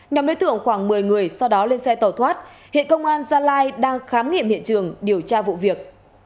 nhóm đối tượng khoảng một mươi người sau đó lên xe tàu thoát hiện công an gia lai đang khám nghiệm hiện trường điều tra vụ việc